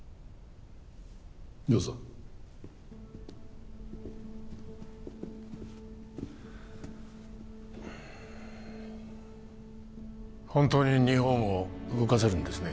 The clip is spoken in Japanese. どうぞ本当に日本を動かせるんですね？